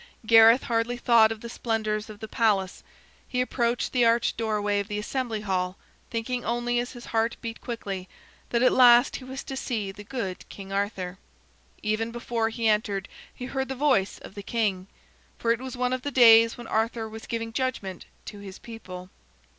Gareth hardly thought of the splendors of the palace. He approached the arched doorway of the Assembly Hall, thinking only as his heart beat quickly, that at last he was to see the good King Arthur. Even before he entered he heard the voice of the king. For it was one of the days when Arthur was giving judgment to his people.